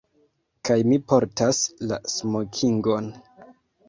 Kaj mi portas la smokingon.